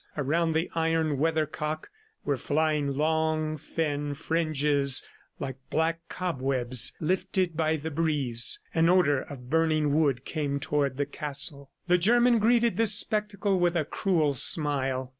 Around the iron weathercock were flying long thin fringes like black cobwebs lifted by the breeze. An odor of burning wood came toward the castle. The German greeted this spectacle with a cruel smile.